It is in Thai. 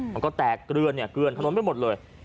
มันก็แปลกเกลื่อนถนนไม่หมดเลย